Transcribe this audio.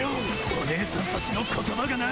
おねえさんたちの言葉がな。